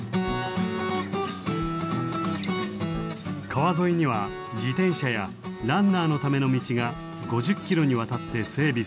川沿いには自転車やランナーのための道が５０キロにわたって整備されています。